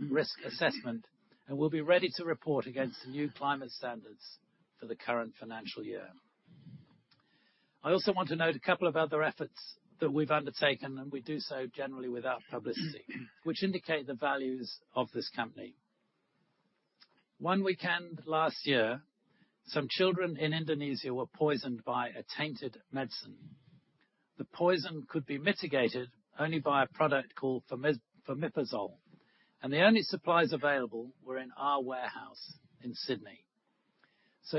risk assessment. We'll be ready to report against the new climate standards for the current financial year. I also want to note a couple of other efforts that we've undertaken, and we do so generally without publicity, which indicate the values of this company. One weekend last year, some children in Indonesia were poisoned by a tainted medicine. The poison could be mitigated only by a product called famotidine, and the only supplies available were in our warehouse in Sydney.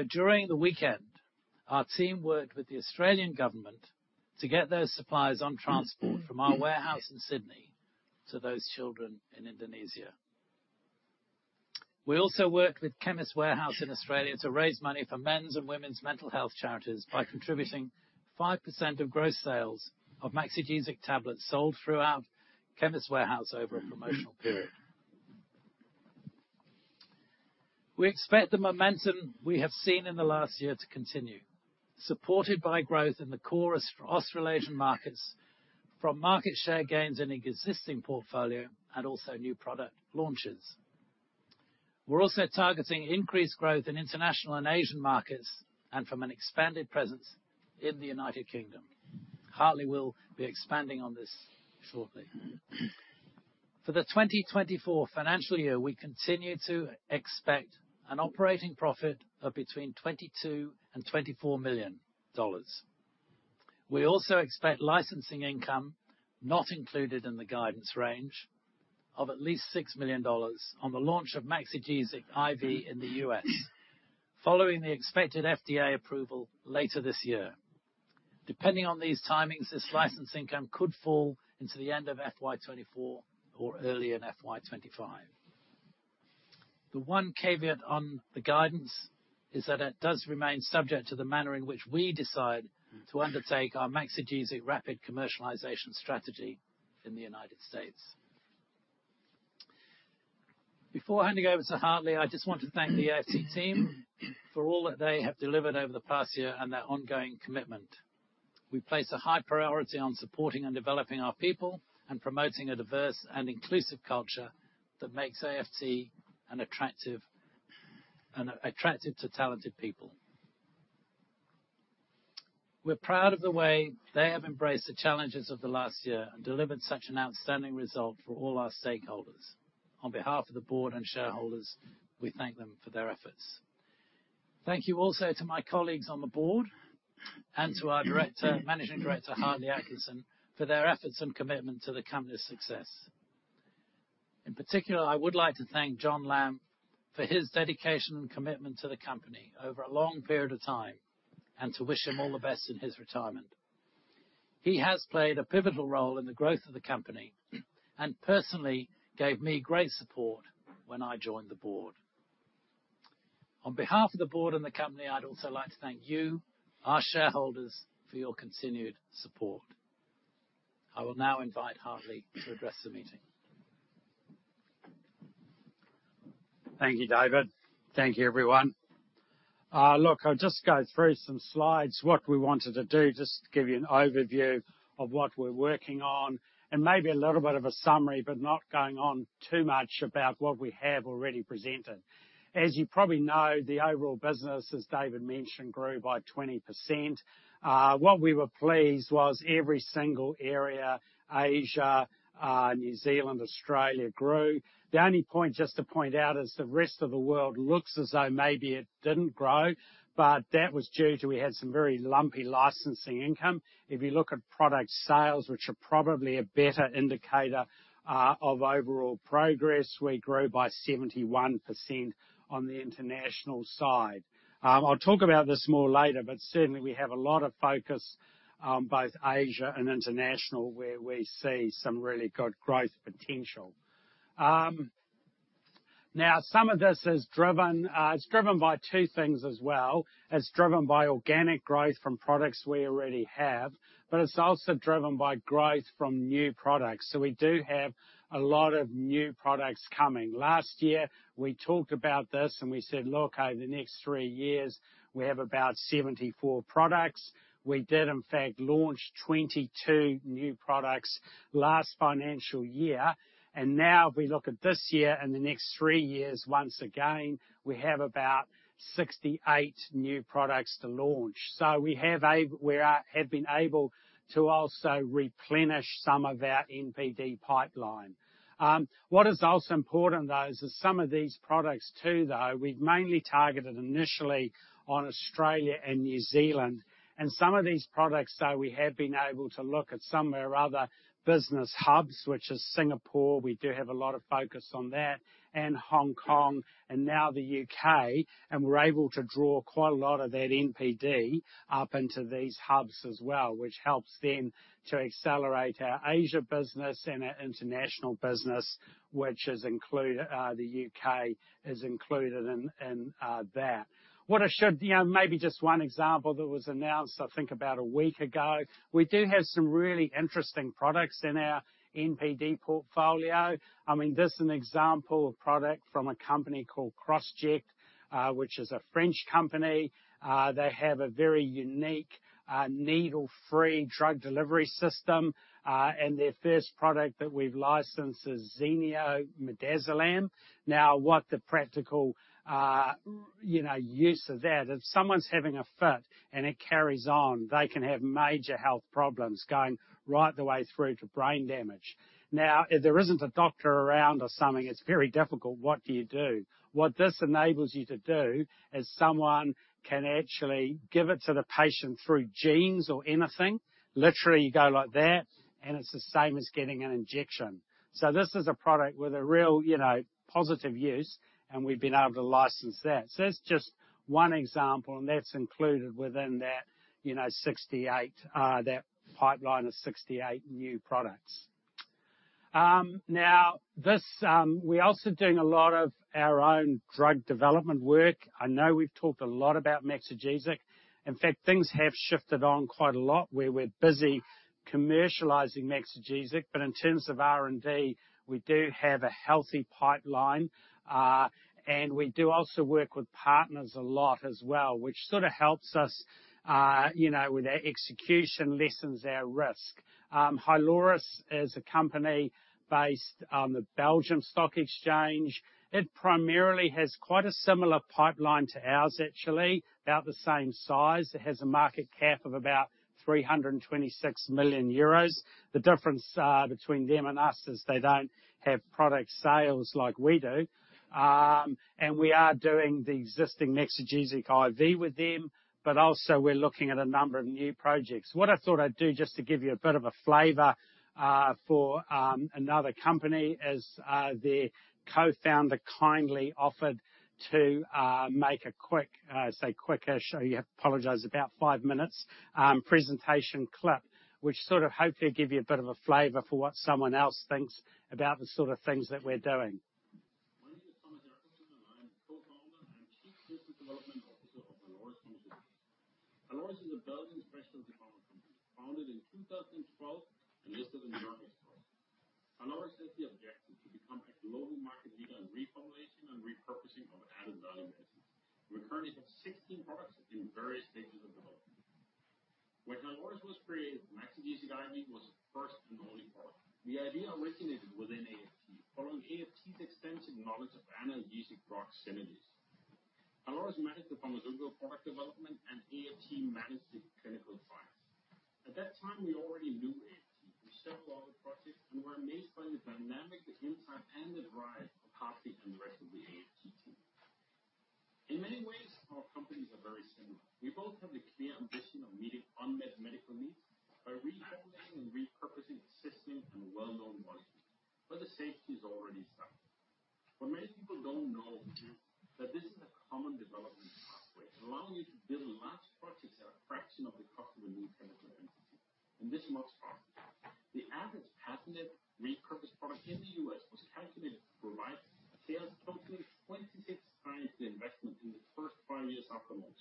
During the weekend, our team worked with the Australian government to get those supplies on transport from our warehouse in Sydney to those children in Indonesia. We also worked with Chemist Warehouse in Australia to raise money for men's and women's mental health charities by contributing 5% of gross sales of Maxigesic tablets sold throughout Chemist Warehouse over a promotional period. We expect the momentum we have seen in the last year to continue, supported by growth in the core Australasian markets, from market share gains in existing portfolio, and also new product launches. We're also targeting increased growth in international and Asian markets, and from an expanded presence in the United Kingdom. Hartley will be expanding on this shortly. For the 2024 financial year, we continue to expect an operating profit of between 22 million and 24 million dollars. We also expect licensing income, not included in the guidance range, of at least $6 million on the launch of Maxigesic IV in the U.S., following the expected FDA approval later this year. Depending on these timings, this license income could fall into the end of FY24 or early in FY25. The one caveat on the guidance is that it does remain subject to the manner in which we decide to undertake our Maxigesic Rapid commercialization strategy in the United States. Before handing over to Hartley, I just want to thank the AFT team for all that they have delivered over the past year and their ongoing commitment. We place a high priority on supporting and developing our people and promoting a diverse and inclusive culture that makes AFT an attractive, an attractive to talented people. We're proud of the way they have embraced the challenges of the last year and delivered such an outstanding result for all our stakeholders. On behalf of the board and shareholders, we thank them for their efforts. Thank you also to my colleagues on the board and to our director, Managing Director, Hartley Atkinson, for their efforts and commitment to the company's success. In particular, I would like to thank John Lam for his dedication and commitment to the company over a long period of time, and to wish him all the best in his retirement. He has played a pivotal role in the growth of the company and personally gave me great support when I joined the board. On behalf of the board and the company, I'd also like to thank you, our shareholders, for your continued support. I will now invite Hartley to address the meeting. Thank you, David. Thank you, everyone. Look, I'll just go through some slides. What we wanted to do, just to give you an overview of what we're working on and maybe a little bit of a summary, but not going on too much about what we have already presented. As you probably know, the overall business, as David mentioned, grew by 20%. What we were pleased was every single area, Asia, New Zealand, Australia, grew. The only point just to point out is the rest of the world looks as though maybe it didn't grow, but that was due to we had some very lumpy licensing income. If you look at product sales, which are probably a better indicator, of overall progress, we grew by 71% on the international side. I'll talk about this more later. Certainly, we have a lot of focus on both Asia and international, where we see some really good growth potential. Now, some of this is driven, it's driven by two things as well. It's driven by organic growth from products we already have, but it's also driven by growth from new products. We do have a lot of new products coming. Last year, we talked about this, and we said, "Look, over the next 3 years, we have about 74 products." We did, in fact, launch 22 new products last financial year. Now, if we look at this year and the next three years, once again, we have about 68 new products to launch. We have been able to also replenish some of our NPD pipeline. What is also important, though, is that some of these products, too, though, we've mainly targeted initially on Australia and New Zealand. Some of these products, though, we have been able to look at some of our other business hubs, which is Singapore. We do have a lot of focus on that, and Hong Kong, and now the UK, and we're able to draw quite a lot of that NPD up into these hubs as well, which helps then to accelerate our Asia business and our international business, which is include, the UK is included in, in, that. What I should, you know, maybe just one example that was announced, I think, about a week ago. We do have some really interesting products in our NPD portfolio. I mean, this is an example of product from a company called Crossject, which is a French company. They have a very unique needle-free drug delivery system. Their first product that we've licensed is ZENEO Midazolam. Now, what the practical, you know, use of that, if someone's having a fit and it carries on, they can have major health problems going right the way through to brain damage. Now, if there isn't a doctor around or something, it's very difficult, what do you do? What this enables you to do, is someone can actually give it to the patient through jeans or anything. Literally, you go like that, and it's the same as getting an injection. This is a product with a real, you know, positive use, and we've been able to license that. That's just one example, and that's included within that, you know, 68, that pipeline of 68 new products. Now, this. We're also doing a lot of our own drug development work. I know we've talked a lot about Maxigesic. In fact, things have shifted on quite a lot, where we're busy commercializing Maxigesic, but in terms of R&D, we do have a healthy pipeline. We do also work with partners a lot as well, which sort of helps us, you know, with our execution, lessens our risk. Hyloris is a company based on the Belgium Stock Exchange. It primarily has quite a similar pipeline to ours, actually, about the same size. It has a market cap of about 326 million euros. The difference between them and us, is they don't have product sales like we do. We are doing the existing Maxigesic IV with them, but also we're looking at a number of new projects. What I thought I'd do, just to give you a bit of a flavor, for another company, is their co-founder kindly offered to make a quick, say, quickish, I apologize, about five minutes, presentation clip. Which sort of hopefully give you a bit of a flavor for what someone else thinks about the sort of things that we're doing. My name is Thomas Jakobsen, I'm the co-founder and Chief Business Development Officer of Hyloris Company. Hyloris is a Belgian specialty development company, founded in 2012, listed on Euronext Growth. Hyloris has the objective to become a global market leader in reformulation and repurposing of added-value medicines. We currently have 16 products in various stages of development. When Hyloris was created, Maxigesic IV was the first and only product. The idea originated within AFT, following AFT's extensive knowledge of analgesic drug synergies. Hyloris managed the pharmaceutical product development, AFT managed the clinical trials. At that time, we already knew AFT from several other projects and were amazed by the dynamic, the insight, and the drive of Kathy and the rest of the AFT team. In many ways, our companies are very similar. We both have a clear ambition of meeting unmet medical needs by reformulating and repurposing existing and well-known molecules, where the safety is already established. What many people don't know is that this is a common development pathway, allowing you to build large projects at a fraction of the cost of a new chemical entity, and this much faster. The average patented repurposed product in the U.S. was calculated to provide a sales totaling 26 times the investment in the first five years after launch.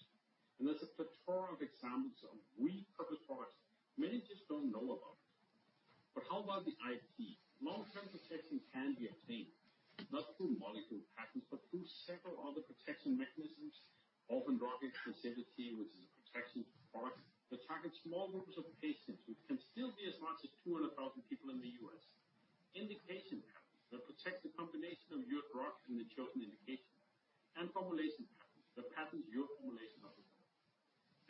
There's a plethora of examples of repurposed products many just don't know about. How about the IP? Long-term protection can be obtained, not through molecule patents, but through several other protection mechanisms, often rocking specificity, which is a protection product that targets small groups of patients, which can still be as much as 200,000 people in the U.S. Indication patterns that protect the combination of your drug in the chosen indication, and formulation patterns, the patterns your formulation of the product.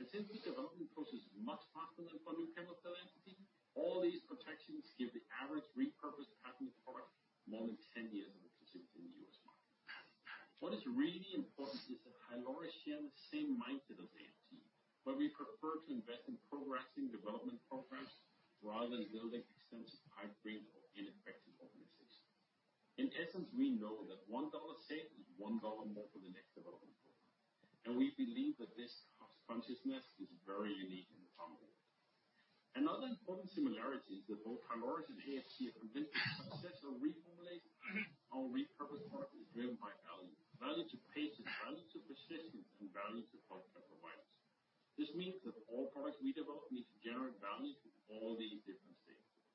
Since the development process is much faster than for a new chemical entity, all these protections give the average repurposed patented product more than 10 years of exclusivity in the U.S. market. What is really important is that Hyloris share the same mindset as AFT, where we prefer to invest in progressing development programs rather than building extensive pipelines or ineffective organizations. In essence, we know that 1 dollar saved, is one NZD more for the next development program. We believe that this cost consciousness is very unique in the pharma world. Another important similarity is that both Hyloris and AFT are convinced that success or reformulation or repurposed product is driven by value. Value to patients, value to physicians, and value to product providers. This means that all products we develop need to generate value to all these different stakeholders.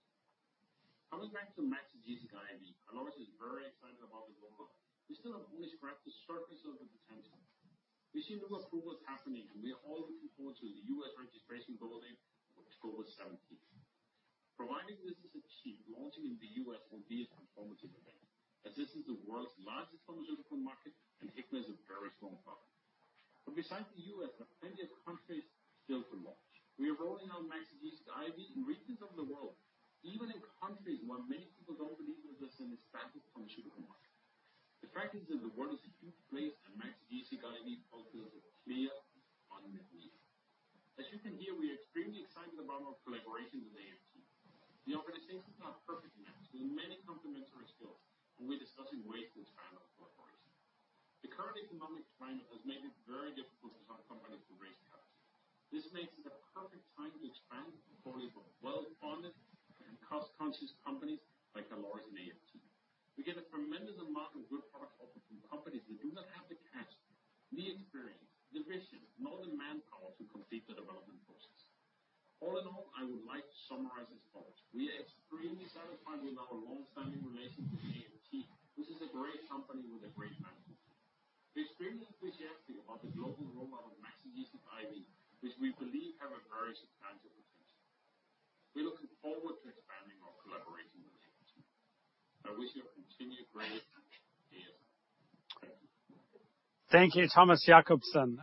Coming back to Maxigesic IV, Hyloris is very excited about the formula. We still have only scratched the surface of the potential. We've seen the approvals happening, and we are all looking forward to the U.S. registration goal date of October 17. Providing this is achieved, launching in the U.S. will be a transformative event, as this is the world's largest pharmaceutical market, and ICMA is a very strong partner. Besides the U.S., there are plenty of countries still to launch. We are rolling out Maxigesic IV in regions of the world, even in countries where many people don't believe there's an established pharmaceutical market. The fact is that the world is a huge place, and Maxigesic IV poses a clear unmet need. As you can hear, we are extremely excited about our collaboration with AFT. The organization is not perfect match with many complementary skills, and we're discussing ways to expand our collaboration. The current economic climate has made it very difficult for some companies to raise capital. This makes it a perfect time to expand the portfolio of well-funded and cost-conscious companies like Hyloris and AFT. We get a tremendous amount of good product offered from companies that do not have the cash, the experience, the vision, nor the manpower to complete the development process. All in all, I would like to summarize this thought: We are extremely satisfied with our long-standing relationship with AFT. This is a great company with a great management. It's bringing enthusiasm about the global role model Maxigesic IV, which we believe have a very substantial potential. We're looking forward to expanding our collaboration with you. I wish you a continued great year. Thank you. Thank you, Thomas Jakobsen.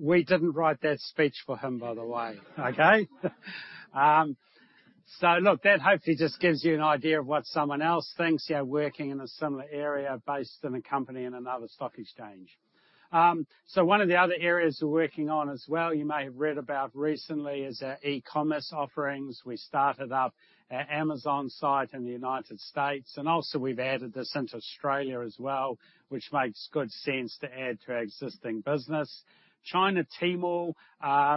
We didn't write that speech for him, by the way. Okay? That hopefully just gives you an idea of what someone else thinks, you know, working in a similar area based in a company in another stock exchange. One of the other areas we're working on as well, you may have read about recently, is our e-commerce offerings. We started up our Amazon site in the United States. Also we've added this into Australia as well, which makes good sense to add to our existing business. China, Tmall,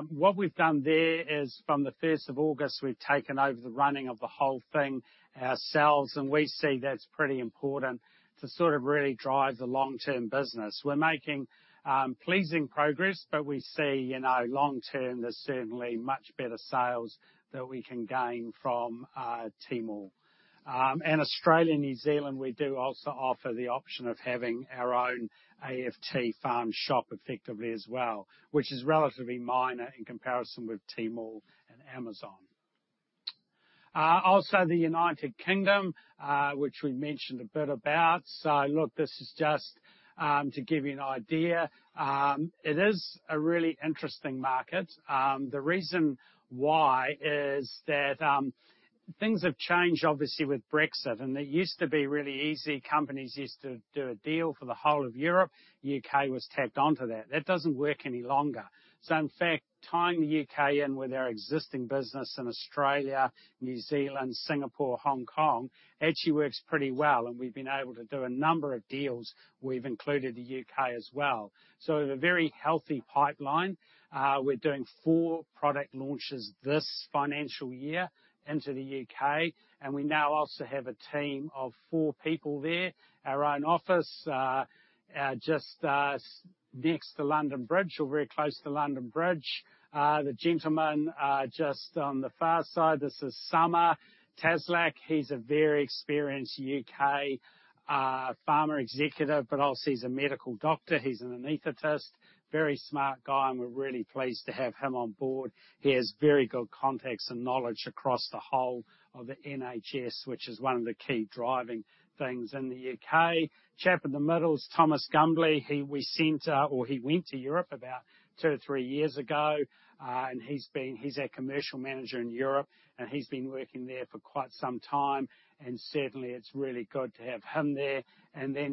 what we've done there is, from the 1st of August, we've taken over the running of the whole thing ourselves. We see that's pretty important to sort of really drive the long-term business. We're making pleasing progress, but we see, you know, long term, there's certainly much better sales that we can gain from Tmall. Australia, New Zealand, we do also offer the option of having our own AFT Pharm shop effectively as well, which is relatively minor in comparison with Tmall and Amazon. Also, the United Kingdom, which we mentioned a bit about. Look, this is just to give you an idea. It is a really interesting market. The reason why is that things have changed, obviously, with Brexit, and it used to be really easy. Companies used to do a deal for the whole of Europe, U.K. was tagged on to that. That doesn't work any longer. In fact, tying the UK in with our existing business in Australia, New Zealand, Singapore, Hong Kong, actually works pretty well, and we've been able to do a number of deals. We've included the UK as well. We have a very healthy pipeline. We're doing four product launches this financial year into the UK, and we now also have a team of four people there. Our own office, just next to London Bridge, or very close to London Bridge. The gentleman, just on the far side, this is Summer Taslak. He's a very experienced UK pharma executive, but also he's a medical doctor. He's an anesthetist, very smart guy, and we're really pleased to have him on board. He has very good contacts and knowledge across the whole of the NHS, which is one of the key driving things in the UK. Chap in the middle is Thomas Gumbley. He went to Europe about two or three years ago, and he's our commercial manager in Europe, and he's been working there for quite some time, certainly, it's really good to have him there.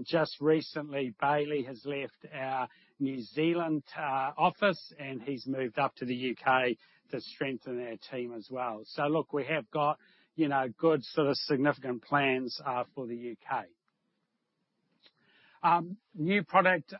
Just recently, Bailey has left our New Zealand office, and he's moved up to the UK to strengthen our team as well. Look, we have got, you know, good sort of significant plans for the UK. New product,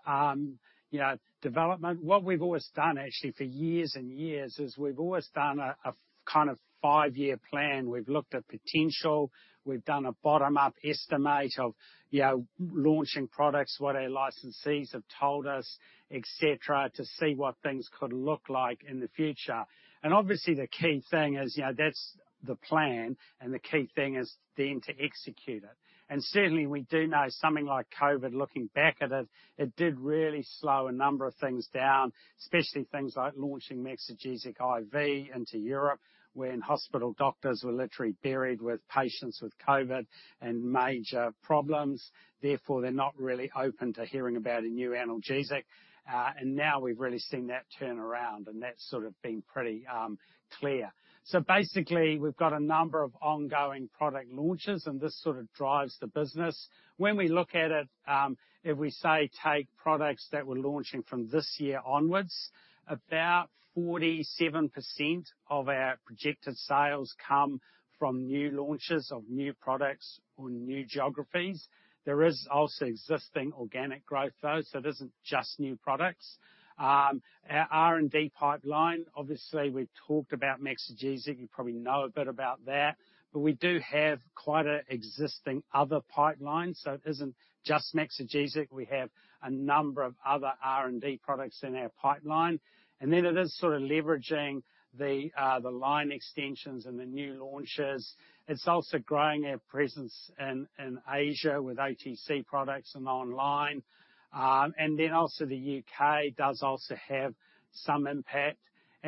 development. What we've always done, actually, for years and years, is we've always done a, a kind of five-year plan. We've looked at potential, we've done a bottom-up estimate of, you know, launching products, what our licensees have told us, et cetera, to see what things could look like in the future. Obviously, the key thing is, you know, that's the plan, and the key thing is then to execute it. Certainly, we do know something like COVID, looking back at it, it did really slow a number of things down, especially things like launching Maxigesic IV into Europe, when hospital doctors were literally buried with patients with COVID and major problems. Therefore, they're not really open to hearing about a new analgesic. And now we've really seen that turn around, and that's sort of been pretty clear. Basically, we've got a number of ongoing product launches, and this sort of drives the business. When we look at it, if we, say, take products that we're launching from this year onwards, about 47% of our projected sales come from new launches of new products or new geographies. There is also existing organic growth, though, so it isn't just new products. Our R&D pipeline, obviously, we've talked about Maxigesic. You probably know a bit about that, but we do have quite an existing other pipeline, so it isn't just Maxigesic. We have a number of other R&D products in our pipeline. It is sort of leveraging the, the line extensions and the new launches. It's also growing our presence in, in Asia with OTC products and online. Also the U.K. does also have some impact.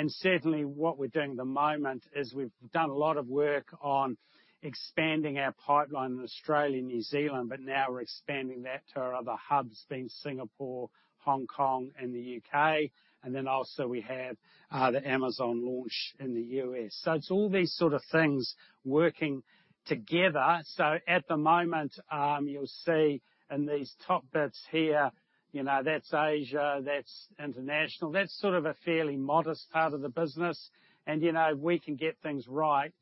Certainly, what we're doing at the moment is we've done a lot of work on expanding our pipeline in Australia and New Zealand, but now we're expanding that to our other hubs, being Singapore, Hong Kong, and the UK. Then also we have the Amazon launch in the US. It's all these sort of things working together. At the moment, you'll see in these top bits here, you know, that's Asia, that's international. That's sort of a fairly modest part of the business, you know, if we can get things right,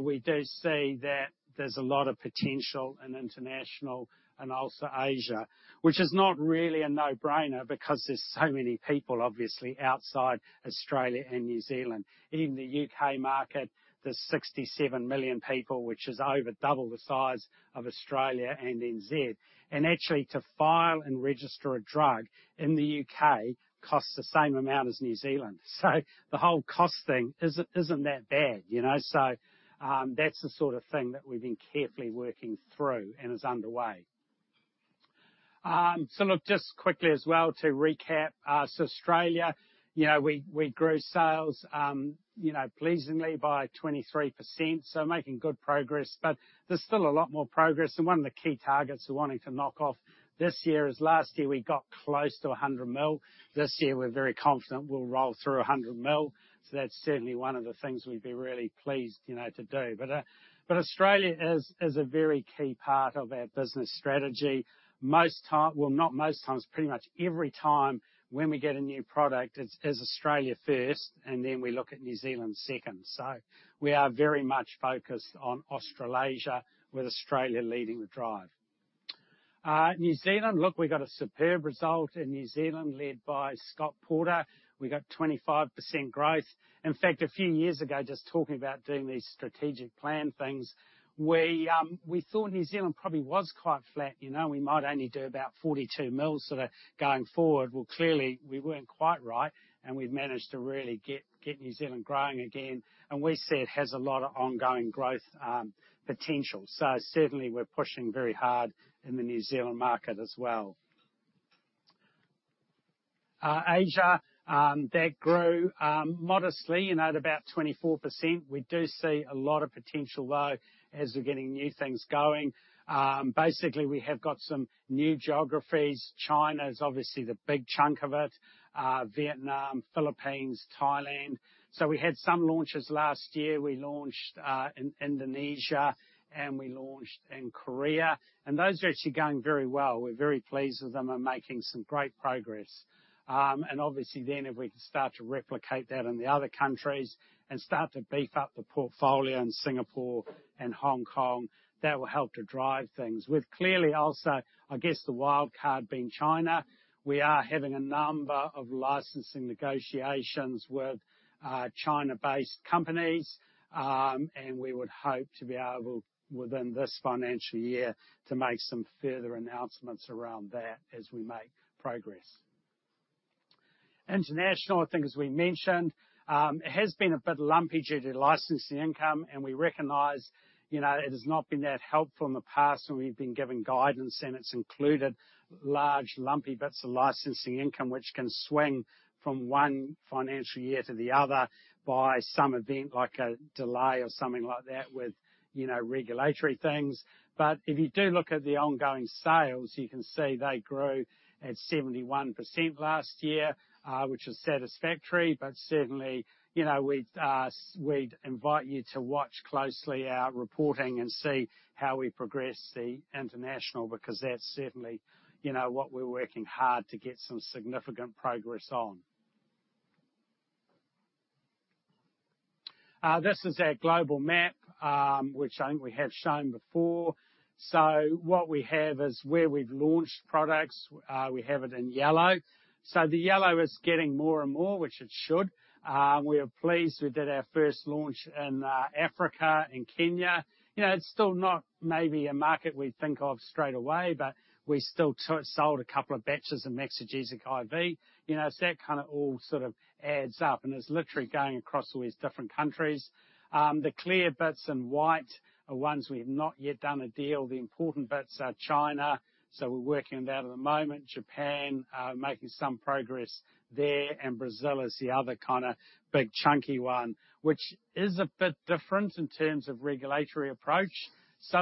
we do see that there's a lot of potential in international and also Asia. Which is not really a no-brainer, because there's so many people, obviously, outside Australia and New Zealand. In the UK market, there's 67 million people, which is over double the size of Australia and NZ. Actually, to file and register a drug in the U.K. costs the same amount as New Zealand. The whole cost thing isn't, isn't that bad, you know. That's the sort of thing that we've been carefully working through and is underway. Look, just quickly as well to recap, so Australia, you know, we, we grew sales, you know, pleasingly by 23%, so making good progress. There's still a lot more progress, and one of the key targets we're wanting to knock off this year is last year, we got close to 100 million. This year, we're very confident we'll roll through 100 million. That's certainly one of the things we'd be really pleased, you know, to do. Australia is, is a very key part of our business strategy. Most time, well, not most times, pretty much every time when we get a new product, it's, it's Australia first, and then we look at New Zealand second. We are very much focused on Australasia, with Australia leading the drive. New Zealand, look, we got a superb result in New Zealand, led by Scott Porter. We got 25% growth. In fact, a few years ago, just talking about doing these strategic plan things, we thought New Zealand probably was quite flat, you know, we might only do about 42 million, sort of, going forward. Well, clearly, we weren't quite right, and we've managed to really get, get New Zealand growing again, and we see it has a lot of ongoing growth potential. Certainly, we're pushing very hard in the New Zealand market as well. Asia, that grew modestly, you know, at about 24%. We do see a lot of potential, though, as we're getting new things going. Basically, we have got some new geographies. China is obviously the big chunk of it, Vietnam, Philippines, Thailand. We had some launches last year. We launched in Indonesia, and we launched in Korea, and those are actually going very well. We're very pleased with them and making some great progress. Obviously then, if we can start to replicate that in the other countries and start to beef up the portfolio in Singapore and Hong Kong, that will help to drive things. With clearly also, I guess, the wild card being China, we are having a number of licensing negotiations with China-based companies. We would hope to be able, within this financial year, to make some further announcements around that as we make progress. International, I think as we mentioned, it has been a bit lumpy due to licensing income, and we recognize, you know, it has not been that helpful in the past when we've been given guidance, and it's included large, lumpy bits of licensing income, which can swing from one financial year to the other by some event, like a delay or something like that, with, you know, regulatory things. If you do look at the ongoing sales, you can see they grew at 71% last year, which is satisfactory, but certainly, you know, we'd, we'd invite you to watch closely our reporting and see how we progress the international, because that's certainly, you know, what we're working hard to get some significant progress on. This is our global map, which I think we have shown before. What we have is where we've launched products, we have it in yellow. The yellow is getting more and more, which it should. We are pleased we did our first launch in Africa, in Kenya. You know, it's still not maybe a market we'd think of straight away, but we still sold two batches of Maxigesic IV. You know, so that kind of all sort of adds up and is literally going across all these different countries. The clear bits in white are ones we have not yet done a deal. The important bits are China, so we're working on that at the moment. Japan, making some progress there, and Brazil is the other kind of big, chunky one, which is a bit different in terms of regulatory approach.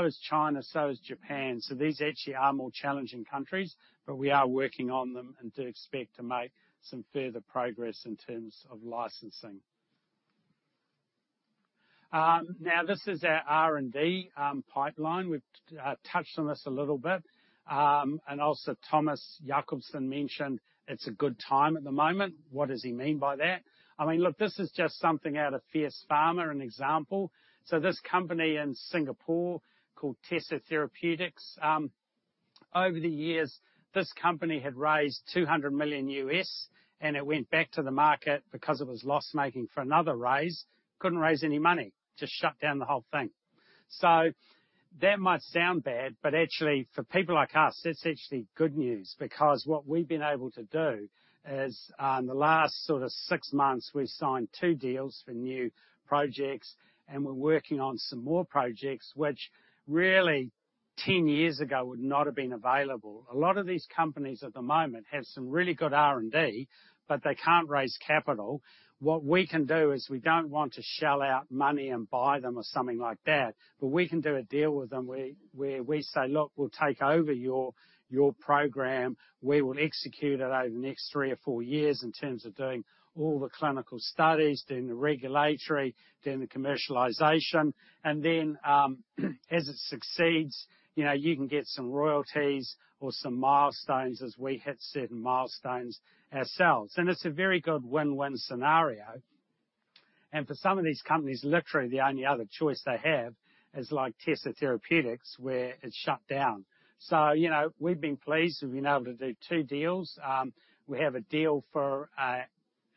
Is China, so is Japan, so these actually are more challenging countries, but we are working on them and do expect to make some further progress in terms of licensing. Now, this is our R&D pipeline. We've touched on this a little bit. Also Thomas Jakobsen mentioned it's a good time at the moment. What does he mean by that? I mean, look, this is just something out of Fierce Pharma, an example. This company in Singapore called Tessa Therapeutics, over the years, this company had raised $200 million, and it went back to the market because it was loss-making for another raise, couldn't raise any money, just shut down the whole thing. That might sound bad, but actually, for people like us, that's actually good news because what we've been able to do is, in the last sort of six months, we've signed two deals for new projects, and we're working on some more projects, which really, 10 years ago, would not have been available. A lot of these companies at the moment have some really good R&D, but they can't raise capital. What we can do is we don't want to shell out money and buy them or something like that, but we can do a deal with them where, where we say: Look, we'll take over your, your program. We will execute it over the next three or four years in terms of doing all the clinical studies, doing the regulatory, doing the commercialization, and then, as it succeeds, you know, you can get some royalties or some milestones as we hit certain milestones ourselves. It's a very good win-win scenario. For some of these companies, literally the only other choice they have is like Tessa Therapeutics, where it's shut down. You know, we've been pleased. We've been able to do two deals. We have a deal for...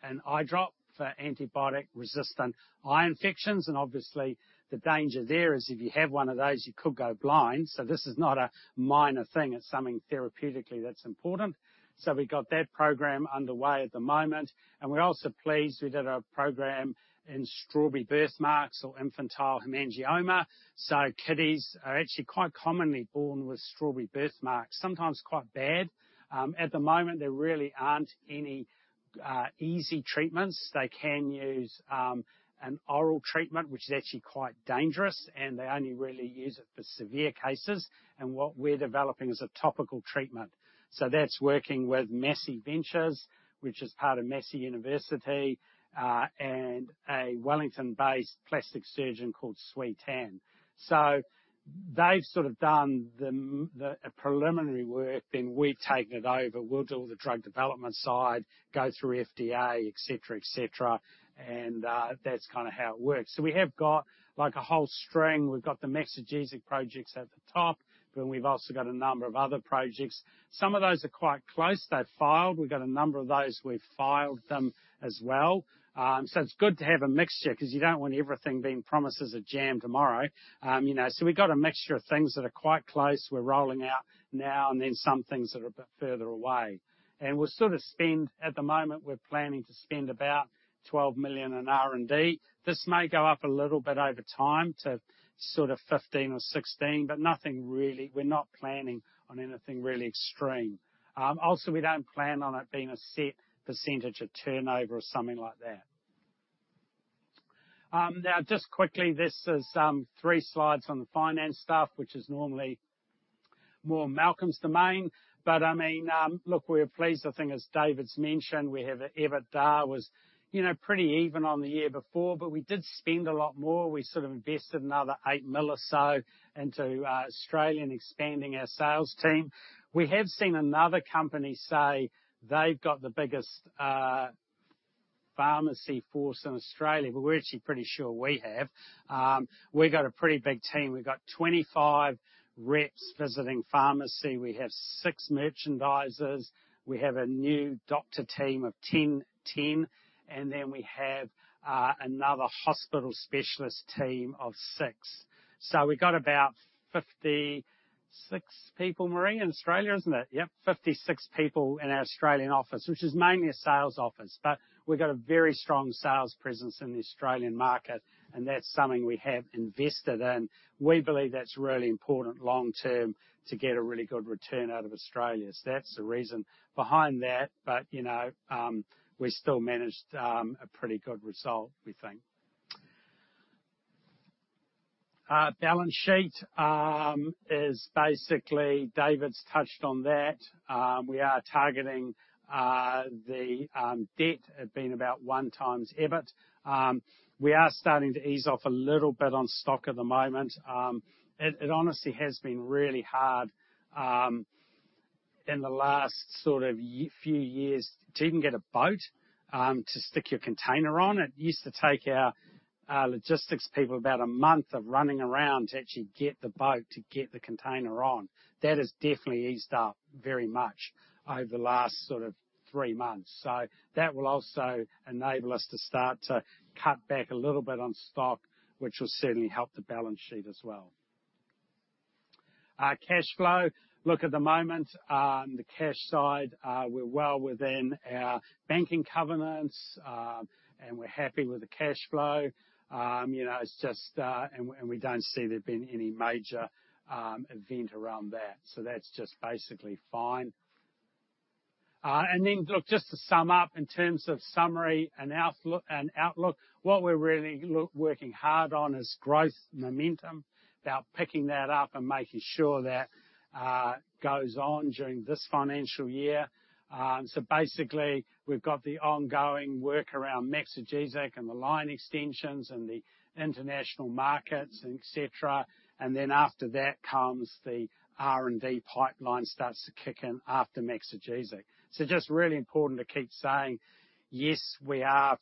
an eye drop for antibiotic-resistant eye infections, and obviously, the danger there is, if you have one of those, you could go blind. This is not a minor thing. It's something therapeutically that's important. We've got that program underway at the moment, and we're also pleased we did a program in strawberry birthmarks or infantile hemangioma. Kiddies are actually quite commonly born with strawberry birthmarks, sometimes quite bad. At the moment, there really aren't any easy treatments. They can use an oral treatment, which is actually quite dangerous, and they only really use it for severe cases, and what we're developing is a topical treatment. That's working with Massey Ventures, which is part of Massey University, and a Wellington-based plastic surgeon called Swee Tan. They've sort of done the preliminary work, then we've taken it over. We'll do all the drug development side, go through FDA, et cetera, et cetera, and that's kinda how it works. We have got, like, a whole string. We've got the Maxigesic projects at the top, but we've also got a number of other projects. Some of those are quite close. They've filed. We've got a number of those, we've filed them as well. It's good to have a mixture, 'cause you don't want everything being promised as a jam tomorrow. You know, so we've got a mixture of things that are quite close, we're rolling out now, and then some things that are a bit further away. We'll sort of spend.At the moment, we're planning to spend about 12 million in R&D. This may go up a little bit over time to 15 or 16, but nothing really. We're not planning on anything really extreme. Also, we don't plan on it being a set percentage of turnover or something like that. Now, just quickly, this is, three slides on the finance stuff, which is normally more Malcolm's domain, but, I mean, look, we're pleased. I think, as David's mentioned, we have, EBITDA was, you know, pretty even on the year before, but we did spend a lot more. We invested another 8 million or so into Australia and expanding our sales team. We have seen another company say they've got the biggest pharmacy force in Australia, but we're actually pretty sure we have. We've got a pretty big team. We've got 25 reps visiting pharmacy. We have six merchandisers. We have a new doctor team of 10, 10, and then we have another hospital specialist team of 6. We've got about 56 people, Marie, in Australia, isn't it? Yep, 56 people in our Australian office, which is mainly a sales office, but we've got a very strong sales presence in the Australian market, and that's something we have invested in. We believe that's really important long term to get a really good return out of Australia. That's the reason behind that, but, you know, we still managed a pretty good result, we think. Balance sheet is basically, David's touched on that. We are targeting the debt at being about one times EBIT. We are starting to ease off a little bit on stock at the moment. It, it honestly has been really hard in the last sort of few years to even get a boat to stick your container on. It used to take our logistics people about a month of running around to actually get the boat to get the container on. That has definitely eased up very much over the last sort of three months. That will also enable us to start to cut back a little bit on stock, which will certainly help the balance sheet as well. Our cash flow. Look, at the moment, on the cash side, we're well within our banking covenants, and we're happy with the cash flow. You know, it's just. We don't see there being any major event around that. That's just basically fine. Then, look, just to sum up in terms of summary and outlook, what we're really working hard on is growth, momentum, about picking that up and making sure that goes on during this financial year. Basically, we've got the ongoing work around Maxigesic and the line extensions and the international markets, et cetera. Then after that comes the R&D pipeline starts to kick in after Maxigesic. Just really important to keep saying, yes, we have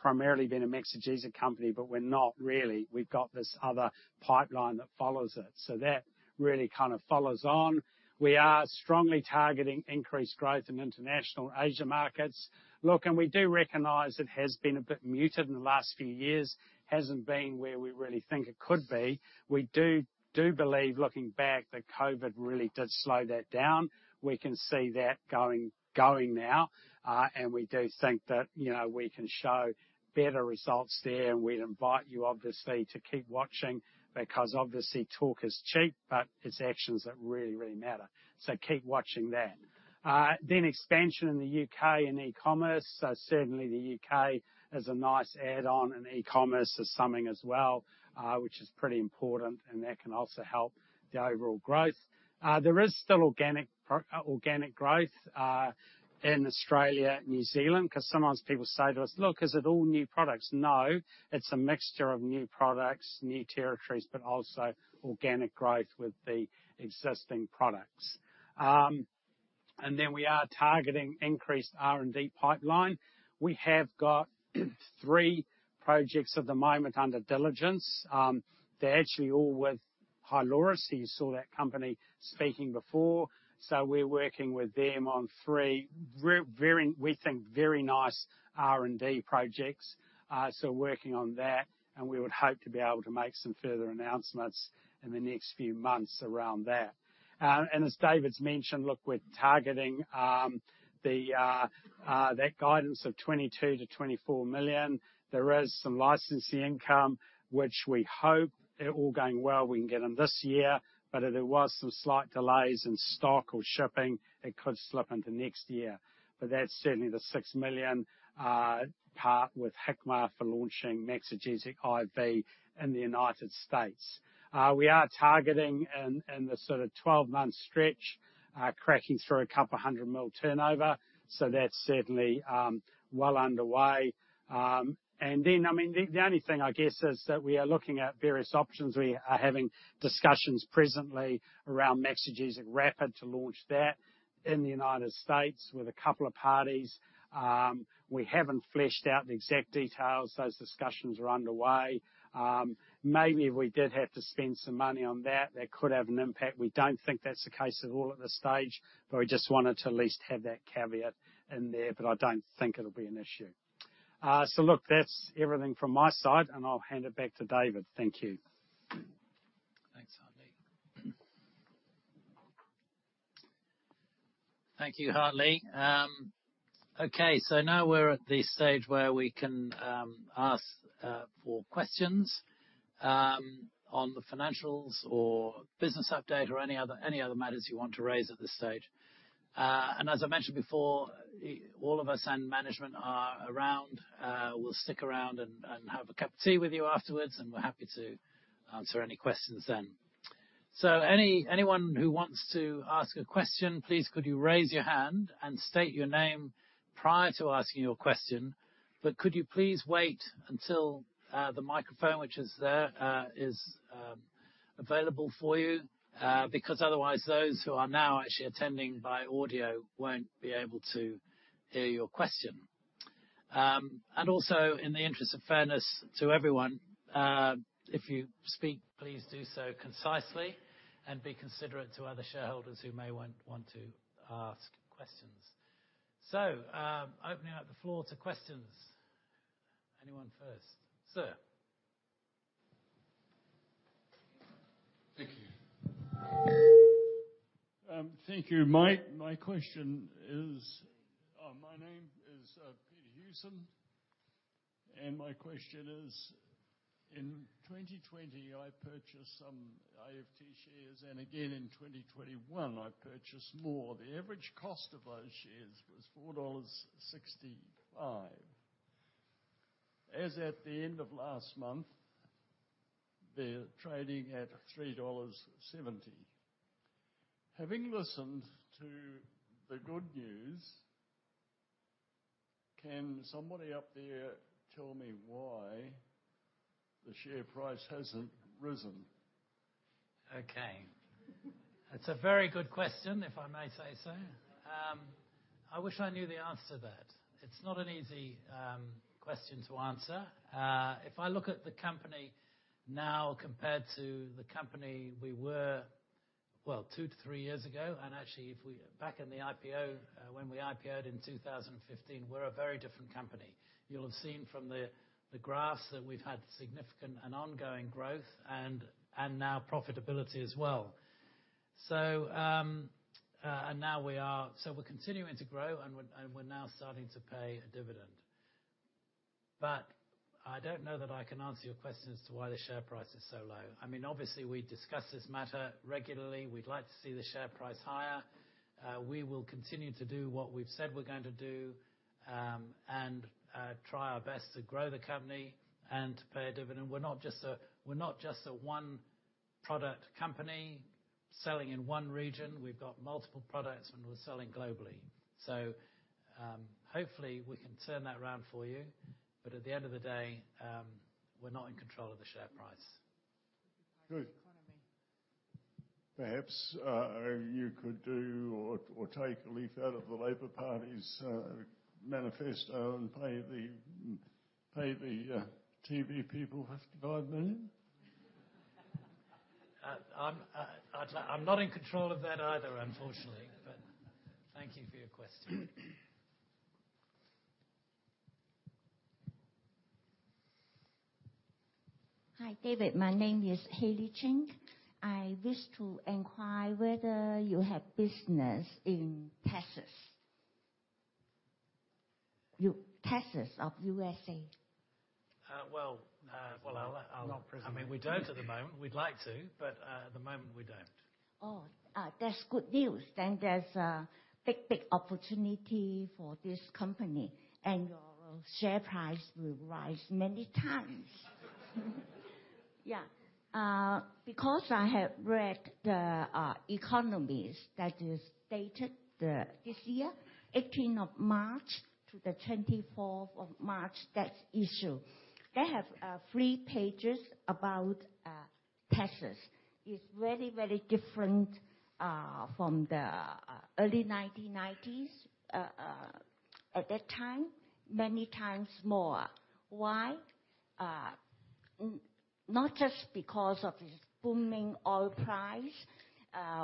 primarily been a Maxigesic company, but we're not really. We've got this other pipeline that follows it, so that really kind of follows on. We are strongly targeting increased growth in international Asia markets. Look, we do recognize it has been a bit muted in the last few years, hasn't been where we really think it could be. We do believe, looking back, that COVID really did slow that down. We can see that going, going now, and we do think that, you know, we can show better results there, and we'd invite you obviously to keep watching, because obviously talk is cheap, but it's actions that really, really matter. Keep watching that. Expansion in the U.K. and e-commerce. Certainly the U.K. is a nice add-on, and e-commerce is something as well, which is pretty important, and that can also help the overall growth. There is still organic growth in Australia and New Zealand, 'cause sometimes people say to us, "Look, is it all new products?" No, it's a mixture of new products, new territories, but also organic growth with the existing products. Then we are targeting increased R&D pipeline. We have got three projects at the moment under diligence. They're actually all with-... Hyloris, you saw that company speaking before, so we're working with them on three very, very, we think, very nice R&D projects. Working on that, and we would hope to be able to make some further announcements in the next few months around that. As David's mentioned, look, we're targeting that guidance of $22 million-$24 million. There is some licensing income which we hope, if all going well, we can get them this year, but if there was some slight delays in stock or shipping, it could slip into next year. That's certainly the $6 million part with Hikma for launching Maxigesic IV in the United States. We are targeting in, in the sort of 12-month stretch, cracking through NZD a couple hundred mil turnover, so that's certainly well underway. I mean, the only thing I guess, is that we are looking at various options. We are having discussions presently around Maxigesic Rapid to launch that in the United States with a couple of parties. We haven't fleshed out the exact details. Those discussions are underway. Maybe if we did have to spend some money on that, that could have an impact. We don't think that's the case at all at this stage, but we just wanted to at least have that caveat in there, but I don't think it'll be an issue. Look, that's everything from my side, and I'll hand it back to David. Thank you. Thanks, Hartley. Thank you, Hartley. Okay, now we're at the stage where we can ask for questions on the financials or business update or any other, any other matters you want to raise at this stage. As I mentioned before, all of us and management are around. We'll stick around and have a cup of tea with you afterwards, and we're happy to answer any questions then. Anyone who wants to ask a question, please could you raise your hand and state your name prior to asking your question, but could you please wait until the microphone, which is there, is available for you? Because otherwise, those who are now actually attending by audio won't be able to hear your question. Also, in the interest of fairness to everyone, if you speak, please do so concisely and be considerate to other shareholders who may want, want to ask questions. So opening up the floor to questions. Anyone first? Sir. Thank you. Thank you. My, my question is. My name is Peter Houston, and my question is, in 2020, I purchased some AFT shares, and again in 2021, I purchased more. The average cost of those shares was 4.65 dollars. As at the end of last month, they're trading at 3.70 dollars. Having listened to the good news, can somebody up there tell me why the share price hasn't risen? Okay. That's a very good question, if I may say so. I wish I knew the answer to that. It's not an easy question to answer. If I look at the company now compared to the company, we were, well, two to three years ago, and actually, back in the IPO, when we IPO'd in 2015, we're a very different company. You'll have seen from the, the graphs that we've had significant and ongoing growth and, and now profitability as well. We're continuing to grow, and we're, and we're now starting to pay a dividend. I don't know that I can answer your question as to why the share price is so low. I mean, obviously, we discuss this matter regularly. We'd like to see the share price higher. We will continue to do what we've said we're going to do, and try our best to grow the company and pay a dividend. We're not just a one-product company selling in one region. We've got multiple products, and we're selling globally. Hopefully, we can turn that around for you, at the end of the day, we're not in control of the share price. Good. The economy. Perhaps, you could do or, or take a leaf out of the Labor Party's manifesto and pay the, pay the, TV people 55 million? I'm not in control of that either, unfortunately. Thank you for your question. Hi, David. My name is Haley Ching. I wish to inquire whether you have business in Texas. You, Texas, of USA. Well, well, I'll. Not presently. I mean, we don't at the moment. We'd like to, but, at the moment, we don't. Oh, that's good news. There's a big, big opportunity for this company, and your share price will rise many times. Yeah, because I have read the economies that is stated this year, 18th of March to the 24th of March, that issue. They have three pages about Texas. It's very, very different from the early 1990s at that time, many times more. Why? Not just because of this booming oil price,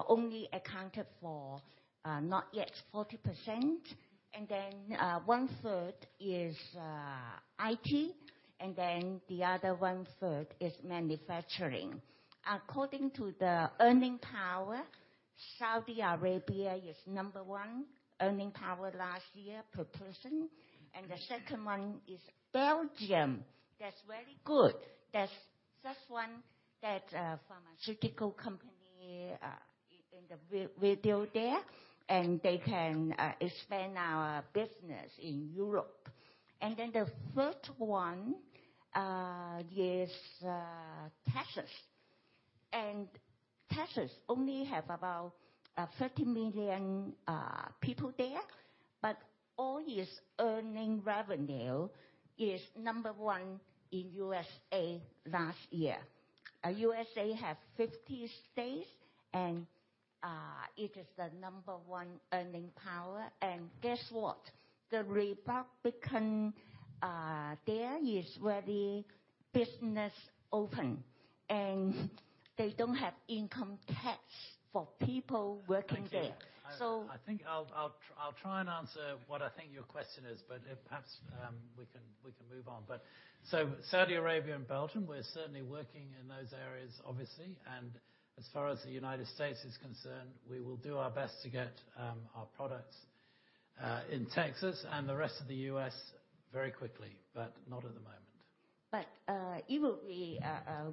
only accounted for not yet 40%, and then one third is IT, and then the other one third is manufacturing. According to the earning power, Saudi Arabia is number one, earning power last year per person, and the second one is Belgium. That's very good. That's just one that pharmaceutical company in the we, we do there, and they can expand our business in Europe. Then the third one is Texas. Texas only have about 30 million people there, but all its earning revenue is number one in USA last year. USA have 50 states, and it is the number one earning power. Guess what? The Republican there is very business open, and they don't have income tax for people working there. Thank you. So- I think I'll try and answer what I think your question is, but if perhaps we can move on. Saudi Arabia and Belgium, we're certainly working in those areas, obviously. As far as the United States is concerned, we will do our best to get our products in Texas and the rest of the U.S. very quickly, but not at the moment. It will be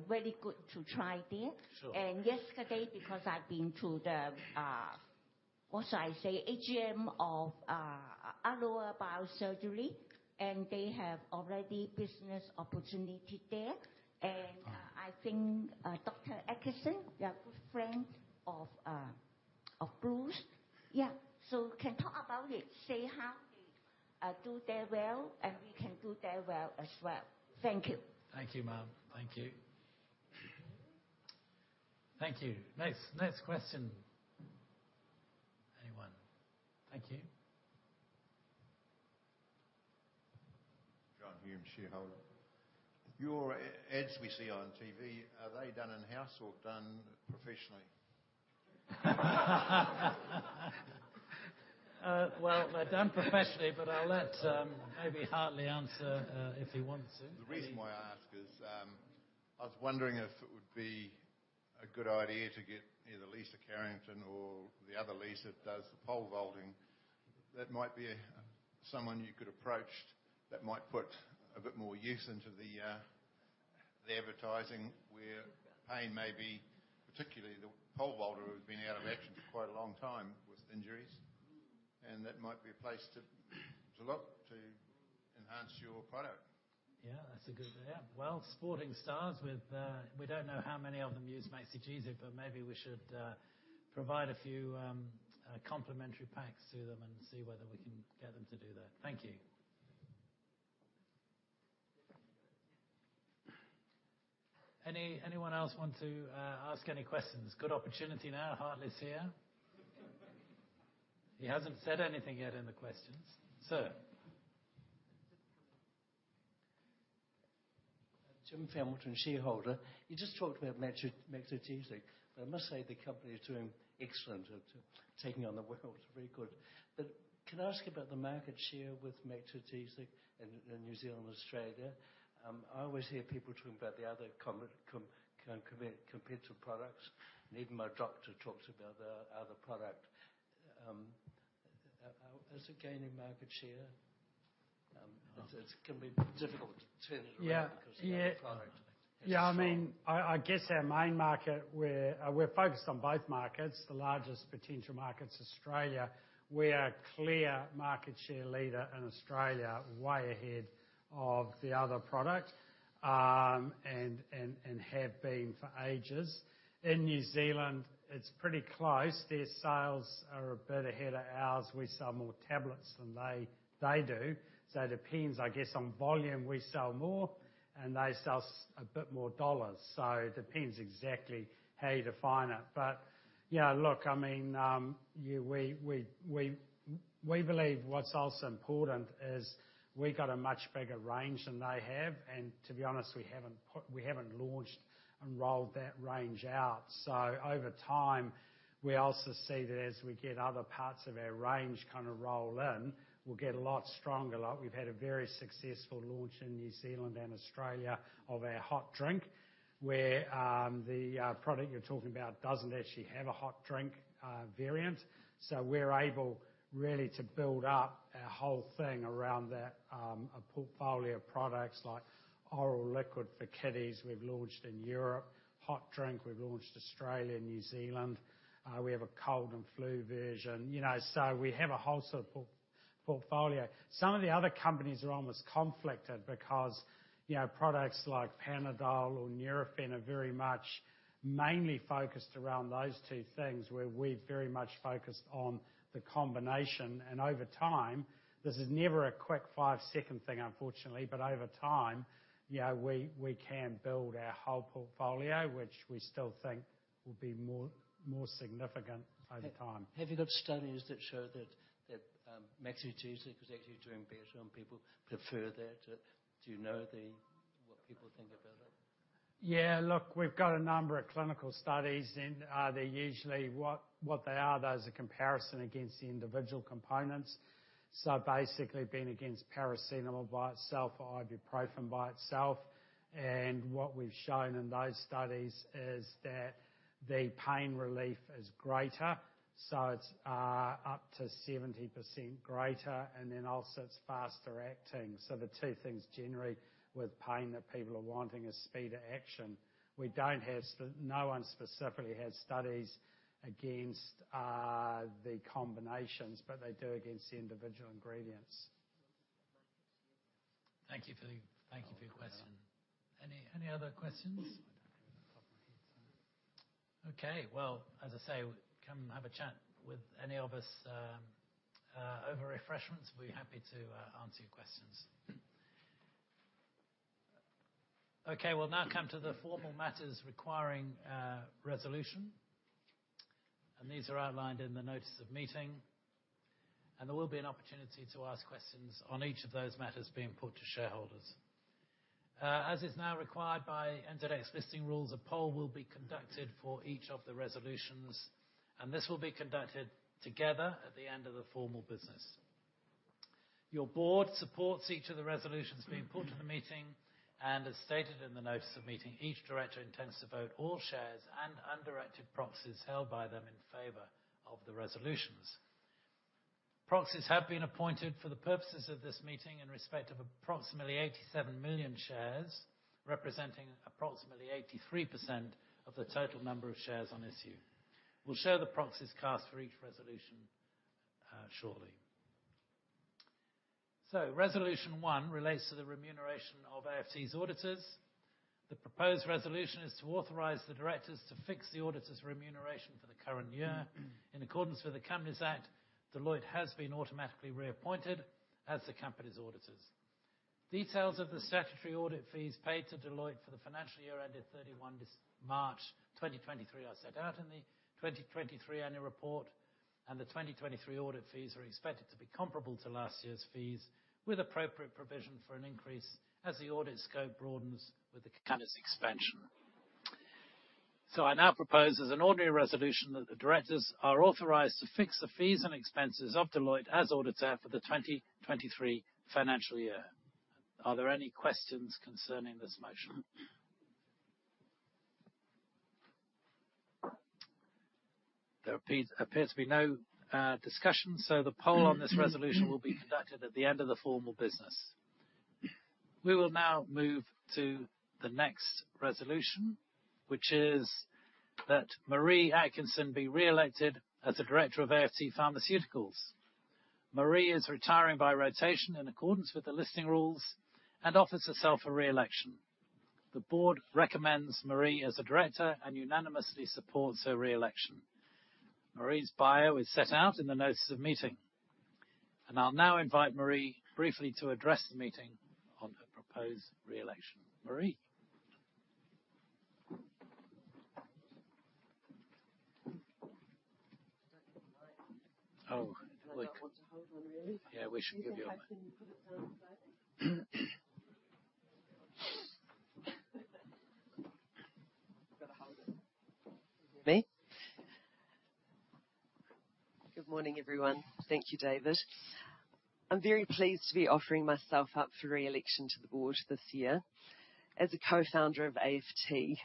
very good to try there. Sure. Yesterday, because I've been to the, what should I say? AGM of Aroa Biosurgery, and they have already business opportunity there. And i think Dr. Atkinson, yeah, good friend of Bruce. Yeah. Can talk about it, say how they do their well, and we can do their well as well. Thank you. Thank you, ma'am. Thank you. Thank you. Next, next question. Anyone? Thank you. Your e- ads we see on TV, are they done in-house or done professionally? Well, they're done professionally, but I'll let, maybe Hartley answer, if he wants to. The reason why I ask is, I was wondering if it would be a good idea to get either Lisa Carrington or the other Lisa that does the pole vaulting. That might be someone you could approach that might put a bit more youth into the advertising, where pain may be, particularly the pole vaulter, who's been out of action for quite a long time with injuries. That might be a place to, to look to enhance your product. Yeah, that's a good... Yeah. Well, sporting stars with, we don't know how many of them use Maxigesic, but maybe we should provide a few complimentary packs to them and see whether we can get them to do that. Thank you. Anyone else want to ask any questions? Good opportunity now, Hartley's here. He hasn't said anything yet in the questions. Sir? You just talked about Maxigesic. I must say, the company is doing excellent at taking on the world. Very good. Can I ask you about the market share with Maxigesic in New Zealand and Australia? I always hear people talking about the other competitive products, and even my doctor talks about the other product. Is it gaining market share? It's can be difficult to turn it around. Yeah. because the other product is strong. Yeah, I mean, I, I guess our main market, we're focused on both markets. The largest potential market's Australia. We are clear market share leader in Australia, way ahead of the other product, and, and, and have been for ages. In New Zealand, it's pretty close. Their sales are a bit ahead of ours. We sell more tablets than they, they do. It depends, I guess, on volume. We sell more, and they sell a bit more dollars, it depends exactly how you define it. But, yeah, look, I mean, yeah, we, we, we, we believe what's also important is we got a much bigger range than they have, and to be honest, we haven't launched and rolled that range out. Over time, we also see that as we get other parts of our range kind of roll in, we'll get a lot stronger. We've had a very successful launch in New Zealand and Australia of our hot drink, where the product you're talking about doesn't actually have a hot drink variant. We're able really to build up our whole thing around that, a portfolio of products like oral liquid for kiddies we've launched in Europe, hot drink we've launched Australia and New Zealand. We have a cold and flu version, you know, so we have a whole sort of portfolio. Some of the other companies are almost conflicted because, you know, products like Panadol or Nurofen are very much mainly focused around those two things, where we're very much focused on the combination. Over time, this is never a quick five second thing, unfortunately, but over time, yeah, we can build our whole portfolio, which we still think will be more, more significant over time. Have, have you got studies that show that, that, Maxigesic is actually doing better and people prefer that? Do you know? people think about it? Yeah, look, we've got a number of clinical studies, and they usually, what, what they are, though, is a comparison against the individual components. Basically, being against paracetamol by itself or ibuprofen by itself, and what we've shown in those studies is that the pain relief is greater, so it's up to 70% greater, and then also it's faster acting. The two things generally with pain that people are wanting is speed of action. We don't have no one specifically has studies against the combinations, but they do against the individual ingredients. Thank you for thank you for your question. Any, any other questions? Okay, well, as I say, come and have a chat with any of us over refreshments. We're happy to answer your questions. Okay, we'll now come to the formal matters requiring resolution. These are outlined in the notice of meeting, and there will be an opportunity to ask questions on each of those matters being put to shareholders. As is now required by NZX listing rules, a poll will be conducted for each of the resolutions, and this will be conducted together at the end of the formal business. Your board supports each of the resolutions being put to the meeting, and as stated in the notice of meeting, each director intends to vote all shares and undirected proxies held by them in favor of the resolutions. Proxies have been appointed for the purposes of this meeting in respect of approximately 87 million shares, representing approximately 83% of the total number of shares on issue. We'll show the proxies cast for each resolution shortly. Resolution 1 relates to the remuneration of AFT's auditors. The proposed resolution is to authorize the directors to fix the auditors' remuneration for the current year. In accordance with the Companies Act, Deloitte has been automatically reappointed as the company's auditors. Details of the statutory audit fees paid to Deloitte for the financial year ended March 31, 2023, are set out in the 2023 annual report, and the 2023 audit fees are expected to be comparable to last year's fees, with appropriate provision for an increase as the audit scope broadens with the company's expansion. I now propose as an ordinary resolution that the directors are authorized to fix the fees and expenses of Deloitte as auditor for the 2023 financial year. Are there any questions concerning this motion? There appears to be no discussion, so the poll on this resolution will be conducted at the end of the formal business. We will now move to the next resolution, which is that Marie Atkinson be re-elected as a director of AFT Pharmaceuticals. Marie is retiring by rotation in accordance with the listing rules and offers herself for re-election. The board recommends Marie as a director and unanimously supports her re-election. Marie's bio is set out in the notice of meeting, and I'll now invite Marie briefly to address the meeting on her proposed re-election. Marie? Oh, quick. Do I not want to hold on, really? Yeah, we should give you. Can you put it down slightly. Gotta hold it. Me? Good morning, everyone. Thank you, David. I'm very pleased to be offering myself up for re-election to the board this year. As a co-founder of AFT,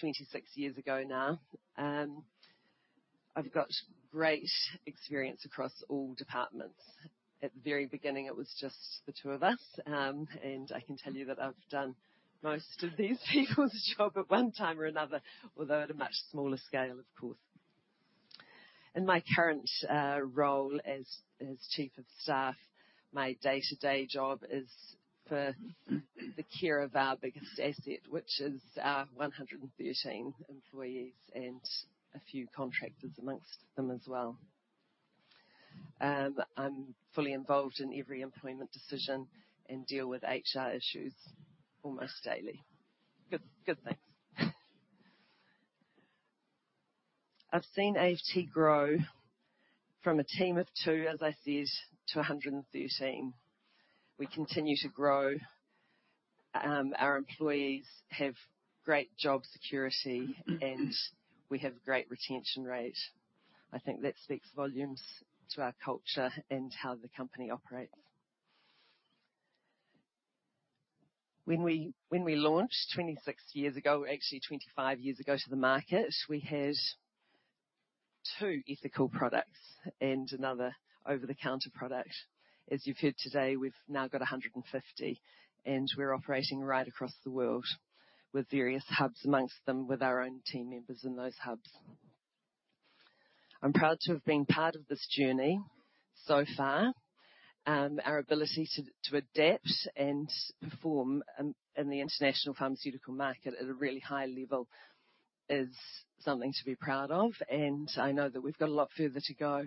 26 years ago now, I've got great experience across all departments. At the very beginning, it was just the two of us, and I can tell you that I've done most of these people's job at one time or another, although at a much smaller scale, of course. In my current role as, as chief of staff, my day to day job is for the care of our biggest asset, which is our 113 employees and a few contractors amongst them as well. I'm fully involved in every employment decision and deal with HR issues almost daily. Good, good things. I've seen AFT grow from a team of two, as I said, to 113. We continue to grow. Our employees have great job security, and we have great retention rate. I think that speaks volumes to our culture and how the company operates. When we, when we launched 26 years ago, actually 25 years ago to the market, we had two ethical products and another over-the-counter product. As you've heard today, we've now got 150, and we're operating right across the world with various hubs, amongst them, with our own team members in those hubs. I'm proud to have been part of this journey so far. Our ability to, to adapt and perform, in the international pharmaceutical market at a really high level is something to be proud of, and I know that we've got a lot further to go.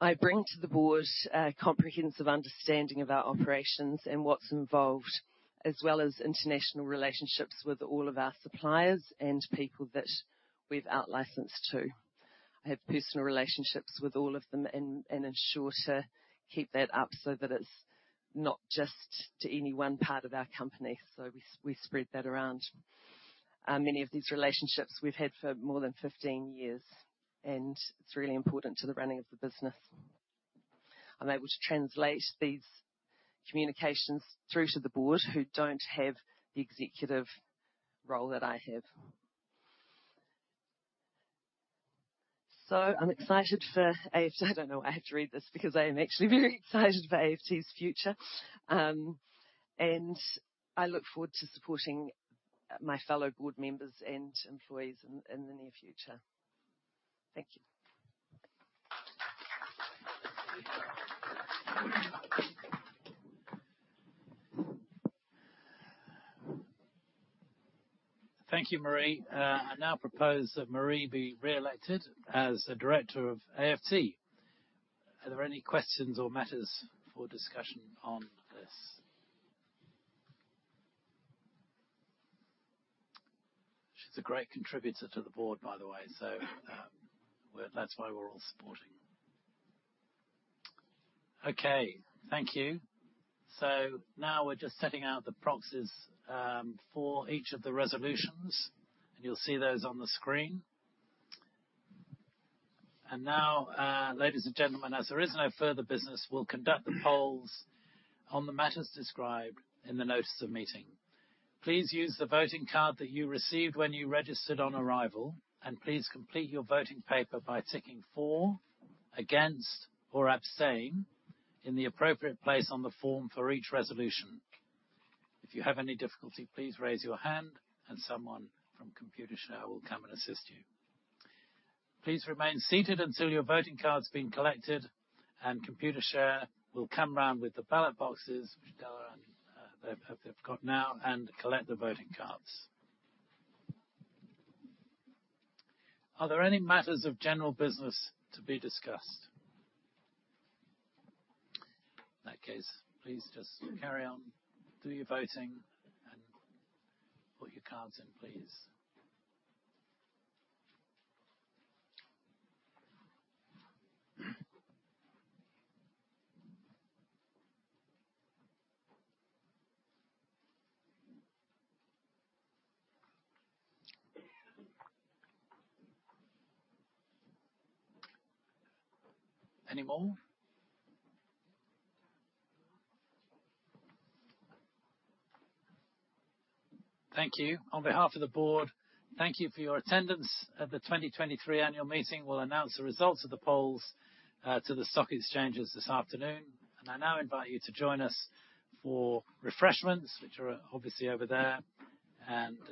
I bring to the board a comprehensive understanding of our operations and what's involved, as well as international relationships with all of our suppliers and people that we've out licensed to. I have personal relationships with all of them and ensure to keep that up so that it's not just to any one part of our company, so we spread that around. Many of these relationships we've had for more than 15 years, and it's really important to the running of the business. I'm able to translate these communications through to the board, who don't have the executive role that I have. I'm excited for AFT. I don't know why I have to read this, because I am actually very excited about AFT's future. I look forward to supporting my fellow board members and employees in the near future. Thank you. Thank you, Marie. I now propose that Marie be re-elected as a director of AFT. Are there any questions or matters for discussion on this? She's a great contributor to the board, by the way, so, well, that's why we're all supporting. Okay, thank you. Now we're just setting out the proxies for each of the resolutions, and you'll see those on the screen. Now, ladies and gentlemen, as there is no further business, we'll conduct the polls on the matters described in the notice of meeting. Please use the voting card that you received when you registered on arrival, and please complete your voting paper by ticking for, against, or abstain in the appropriate place on the form for each resolution. If you have any difficulty, please raise your hand and someone from Computershare will come and assist you. Please remain seated until your voting card's been collected, and Computershare will come round with the ballot boxes, which they are, they've, they've got now, and collect the voting cards. Are there any matters of general business to be discussed? In that case, please just carry on, do your voting, and put your cards in, please. Any more? Thank you. On behalf of the board, thank you for your attendance at the 2023 annual meeting. We'll announce the results of the polls to the stock exchanges this afternoon. I now invite you to join us for refreshments, which are obviously over there. They're not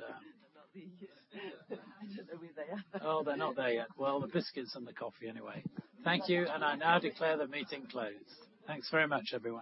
there yet. I didn't know we there. Oh, they're not there yet. Well, the biscuits and the coffee anyway. Thank you. I now declare the meeting closed. Thanks very much, everyone.